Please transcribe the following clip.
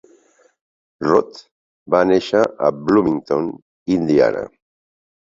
Roth va néixer a Bloomington, Indiana.